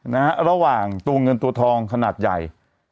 นะฮะระหว่างตัวเงินตัวทองขนาดใหญ่